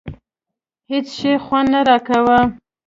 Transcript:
هېڅ شي خوند نه راکاوه.